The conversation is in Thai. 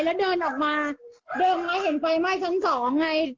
แล้วเดินออกมาเดินมาเห็นไฟไหม้ชั้นสองไง